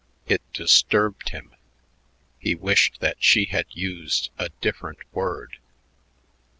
It disturbed him. He wished that she had used a different word.